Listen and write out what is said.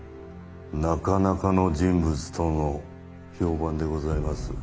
なかなかの人物との評判でございます。